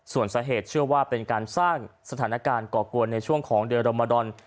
ส่วนสาเหตุเชื่อว่าเป็นการสร้างสถานการณ์ก่อกวนในช่วงของเดือนรมดอน